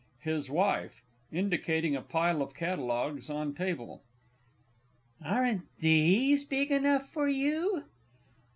HIS WIFE (indicating a pile of Catalogues on table). Aren't these big enough for you?